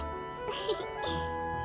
フフッ。